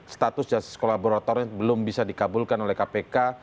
status justice kolaboratornya belum bisa dikabulkan oleh kpk